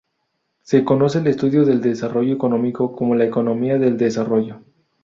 Se conoce el estudio del desarrollo económico como la economía del desarrollo.